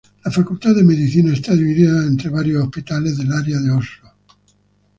La Facultad de Medicina está dividida entre varios hospitales del área de Oslo.